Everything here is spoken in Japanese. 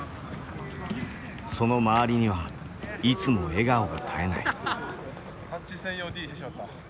その周りにはいつも笑顔が絶えない。